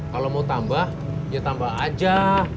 kalau mau tambah ya tambah aja